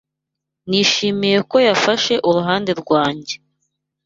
Nishimiye ko yafashe uruhande rwanjye.